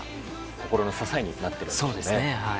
心の支えになっているんですね。